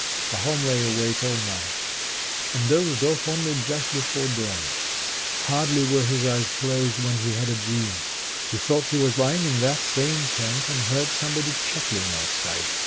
Pahom lay awake all night, and dozed off only just before dawn. Hardly were his eyes closed when he had a dream. He thought he was lying in that same tent, and heard somebody chuckling outside.